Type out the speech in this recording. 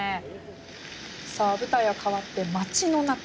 さあ舞台は変わって町の中。